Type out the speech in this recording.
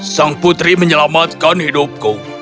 sang putri menyelamatkan hidupku